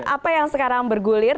apa yang sekarang bergulir